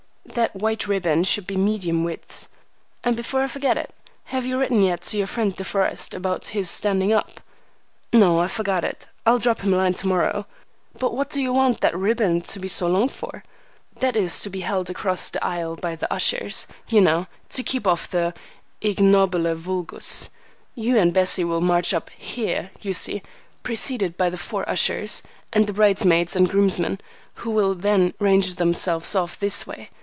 "That white ribbon should be medium width. And before I forget it, have you written yet to your friend De Forest about his standing up?" "No, I forgot it. I'll drop him a line to morrow. But what do you want that ribbon to be so long for?" "That is to be held across the aisle by the ushers, you know, to keep off the ignobile vulgus. You and Bessie will march up here, you see, preceded by the four ushers and the bridesmaids and groomsmen, who will then range themselves off this way.